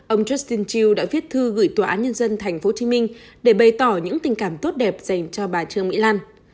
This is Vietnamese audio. ông justin true đã viết thư gửi tòa án nhân dân tp hcm để bày tỏ những tình cảm tốt đẹp dành cho bà trương mỹ lan